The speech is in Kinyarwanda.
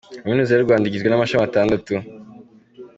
Kaminuza y’u Rwanda igizwe n’amashami atandatu.